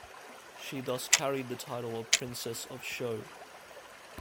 She thus carried the title of Princess of Shou.